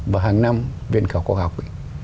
và hàng năm viện khảo khoa học ấy